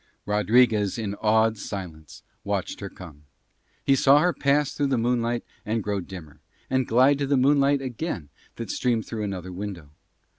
Rodriguez in awed silence watched her come. He saw her pass through the moonlight and grow dimmer, and glide to the moonlight again that streamed through another window.